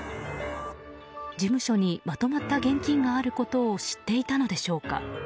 事務所にまとまった金があることを知っていたのでしょうか。